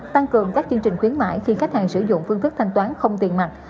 tăng cường các chương trình khuyến mãi khi khách hàng sử dụng phương thức thanh toán không tiền mặt